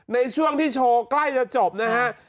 ในช่วงที่โชว์ใกล้จะจบนะฮะ